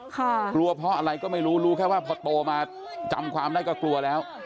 กลัวเพราะอะไรก็ไม่รู้รู้แค่ว่าพอโตมาจำความได้ก็กลัวแล้ว